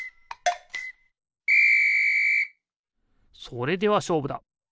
それではしょうぶだ。